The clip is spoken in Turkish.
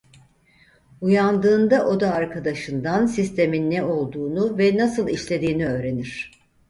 Uyandığında oda arkadaşından sistemin ne olduğunu ve nasıl işlediğini öğrenir.